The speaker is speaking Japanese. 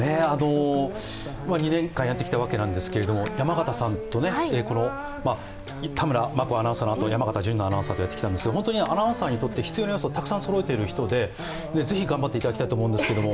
２年間やってきたわけなんですけど山形さんと田村真子アナウンサーのあと山形アナウンサーとやってたんですが本当にアナウンサーにとって必要な要素たくさん備えた人でぜひ頑張っていただきたいと思うんですけれども。